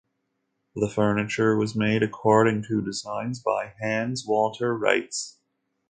The furniture was made according to designs by Hans Walter Reitz.